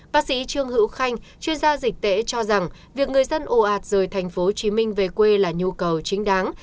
bác sĩ trương hữu khanh chuyên gia dịch tễ cho rằng việc người dân ồ ạt rời tp hcm về quê là nhu cầu chính đáng